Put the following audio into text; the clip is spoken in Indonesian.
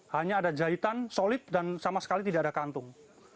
hanya ada jahitan solid dan sama sekali tidak ada kantung